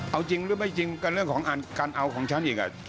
เอาจริงหรือไม่จริงก็เรื่องของการเอาของฉันอีก